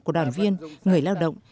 của đoàn viên người lao động